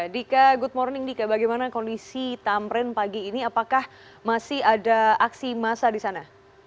dika good morning dika bagaimana kondisi tamrin pagi ini apakah masih ada aksi massa di sana